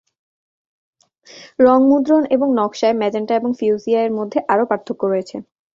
রঙ মুদ্রণ এবং নকশায় ম্যাজেন্টা এবং ফিউসিয়া এর মধ্যে আরও পার্থক্য রয়েছে।